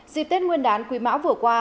dịp tết nguyên đán quý mão vừa qua